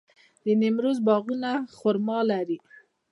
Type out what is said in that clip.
د نیمروز باغونه خرما لري.